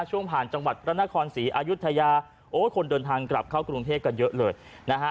ช่วงผ่านจังหวัดพระนครศรีอายุทยาโอ้คนเดินทางกลับเข้ากรุงเทพกันเยอะเลยนะฮะ